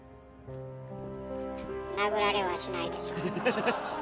殴られはしないでしょう。